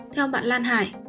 theo bạn lan hải